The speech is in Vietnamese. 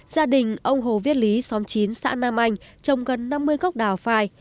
gia đình ông hồ viết lý xóm chín xã nam anh trồng gần năm mươi gốc đào phai